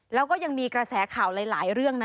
แล้วก็ยังมีกระแสข่าวหลายเรื่องนะ